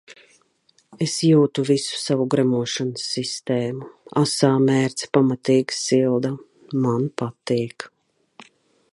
Es jūtu visu savu gremošanas sistēmu, asā mērce pamatīgi silda. Man patīk.